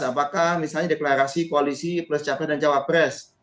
apakah misalnya deklarasi koalisi plus capres dan cawapres